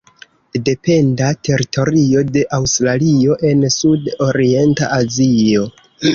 Dependa teritorio de Aŭstralio en Sud-Orienta Azio.